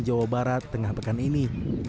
jawa barat tengah pekan ini